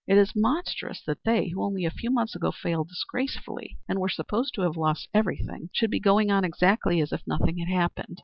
It is monstrous that they, who only a few months ago failed disgracefully and were supposed to have lost everything, should be going on exactly as if nothing had happened."